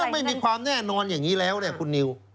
ไม่มีความแน่นอนอย่างนี้แล้วเนี่ยคุณนิว